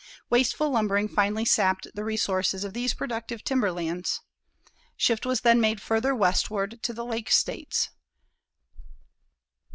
Wasteful lumbering finally sapped the resources of these productive timberlands. Shift was then made farther westward to the Lake States.